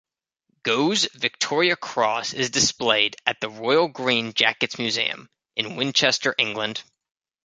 Gough's Victoria Cross is displayed at the Royal Green Jackets Museum, in Winchester, England.